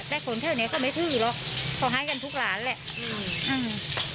แต่คนแค่วันนี้เขาไม่ทื้อหรอกเขาหายกันทุกร้านแหละอืม